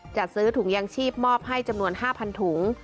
จะซื้อถุงยางชีพมอบให้จำนวน๕๐๐ถุง